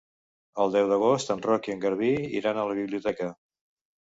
El deu d'agost en Roc i en Garbí iran a la biblioteca.